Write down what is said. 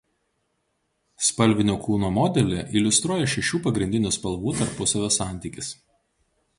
Spalvinio kūno modelį iliustruoja šešių pagrindinių spalvų tarpusavio santykis.